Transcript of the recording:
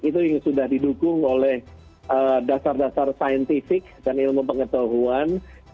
itu yang sudah didukung oleh dasar dasar saintifik dan ilmu pengetahuan